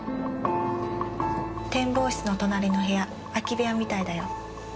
展望室の隣の部屋空き部屋みたいだよ。